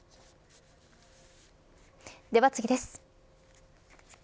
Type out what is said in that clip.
では次です。